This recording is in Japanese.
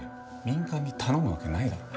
民間に頼むわけないだろ。